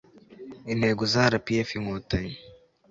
intego za rpf- inkotanyi